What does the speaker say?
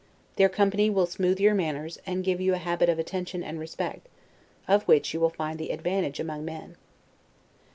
Their company will smooth your manners, and give you a habit of attention and respect, of which you will find the advantage among men.